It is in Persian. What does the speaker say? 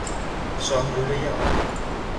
شاه لولهی آب